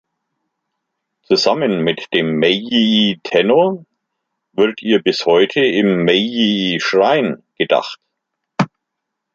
Zusammen mit dem Meiji-Tenno wird ihr bis heute im Meiji-Schrein gedacht.